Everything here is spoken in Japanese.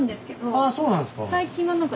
ああそうなんですか。